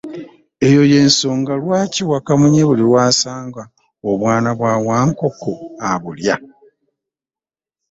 Eyo ye nsonga lwaki Wakamunye buli w’asanga obwana bwa Wankoko abulya.